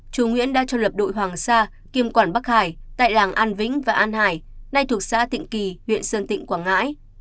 chú nguyễn đã cho lập đội hoàng sa kiêm quản bắc hải tại làng an vĩnh và an hải nay thuộc xã tịnh kỳ huyện sơn tịnh quảng ngãi